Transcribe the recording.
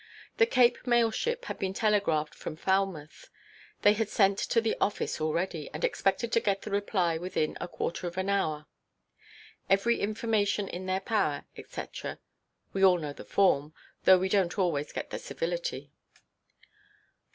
The Cape mail–ship had been telegraphed from Falmouth; they had sent to the office already, and expected to get the reply within a quarter of an hour. Every information in their power, &c.—we all know the form, though we donʼt always get the civility.